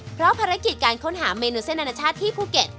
เพราะภารกิจการค้นหาเมนูเส้นอนาชาติที่ภูเก็ต